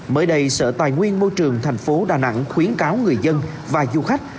mới đây sở tài nguyên môi trường tp đà nẵng khuyến cáo người dân và du khách